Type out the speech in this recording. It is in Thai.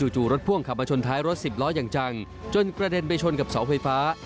จู่รถพ่วงขับมาชนท้ายรถสิบล้ออย่างจังจนกระเด็นไปชนกับเสาไฟฟ้า